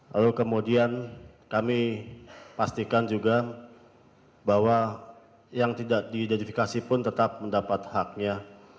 lalu kemudian kami pastikan juga bahwa yang tidak diidentifikasi pun tetap mendapat haknya